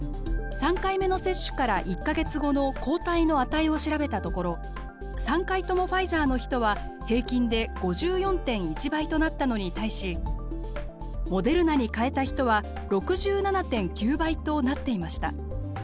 ３回目の接種から１か月後の抗体の値を調べたところ３回ともファイザーの人は平均で５４．１倍となったのに対しモデルナに変えた人は６７．９倍となっていました。